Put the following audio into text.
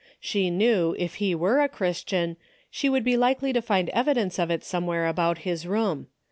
She knew, if he were a Christian, she would be likely to find evidence of it somewhere about his room.